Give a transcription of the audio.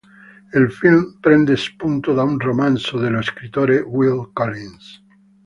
Il film prende spunto da un romanzo dello scrittore Will Collins.